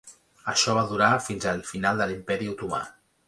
Això va durar fins al final de l'imperi Otomà.